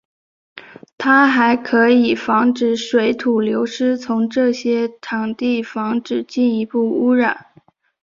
它还可以防止水土流失从这些场地防止进一步污染。